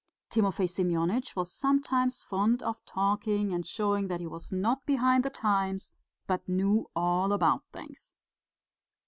Timofey Semyonitch was sometimes fond of talking and showing that he was not behind the times, but knew all about things.